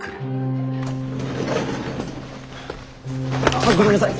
あっごめんなさい。